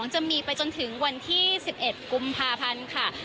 จะมีไปจนถึงวันที่๑๑กุมภาพันธ์ค่ะ